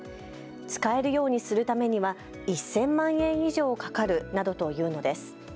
使えるようにするためには１０００万円以上かかるなどと言うのです。